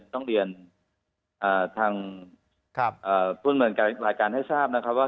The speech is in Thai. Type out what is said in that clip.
ทรงเรียนรักษาธิวัศกาปรูเมินผ่าขอบคุณให้ทราบว่า